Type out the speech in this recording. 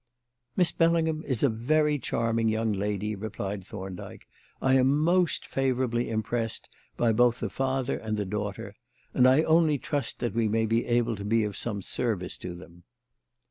"Miss Bellingham is a very charming young lady," replied Thorndyke. "I am most favourably impressed by both the father and the daughter, and I only trust that we may be able to be of some service to them."